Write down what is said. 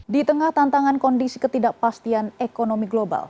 di tengah tantangan kondisi ketidakpastian ekonomi global